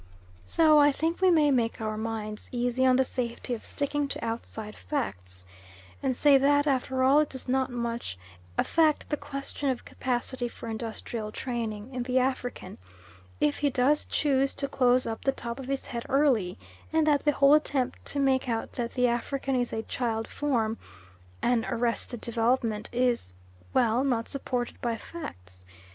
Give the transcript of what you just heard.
So I think we may make our minds easy on the safety of sticking to outside facts, and say that after all it does not much affect the question of capacity for industrial training in the African if he does choose to close up the top of his head early, and that the whole attempt to make out that the African is a child form, "an arrested development," is well, not supported by facts.